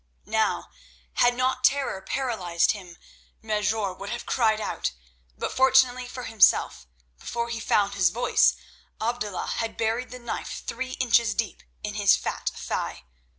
Now, had not terror paralysed him, Mesrour would have cried out, but fortunately for himself, before he found his voice Abdullah had buried the knife three inches deep in his fat thigh.